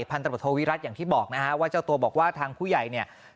พันธบทโทวิรัติอย่างที่บอกนะฮะว่าเจ้าตัวบอกว่าทางผู้ใหญ่เนี่ย